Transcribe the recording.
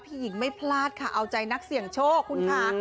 หญิงไม่พลาดค่ะเอาใจนักเสี่ยงโชคคุณค่ะ